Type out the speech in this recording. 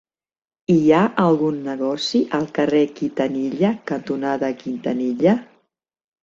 Hi ha algun negoci al carrer Gitanilla cantonada Gitanilla?